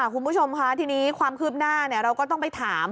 คุณผู้ชมค่ะทีนี้ความคืบหน้าเราก็ต้องไปถาม